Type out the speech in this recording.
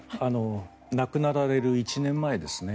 亡くなられる１年前ですね。